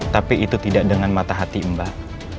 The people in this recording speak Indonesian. tapi itu tidak dengan mata hati mbah